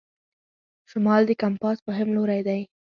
شمال د کمپاس مهم لوری دی.